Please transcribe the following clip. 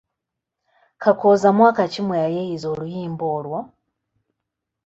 Kakooza mwaka ki mwe yayiiyiza oluyimba olwo?